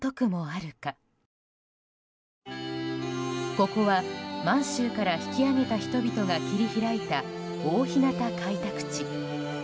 ここは、満州から引き揚げた人々が切り開いた大日向開拓地。